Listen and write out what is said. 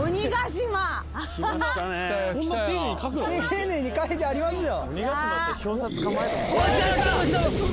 丁寧に書いてありますよ。